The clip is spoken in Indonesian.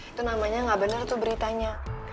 itu namanya nggak bener tuh beritanya